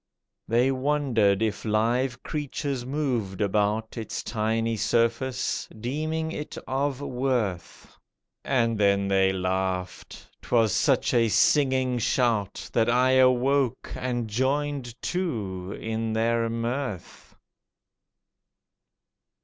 They wondered if live creatures moved about Its tiny surface, deeming it of worth. And then they laughed—'twas such a singing shout That I awoke and joined too in their mirth.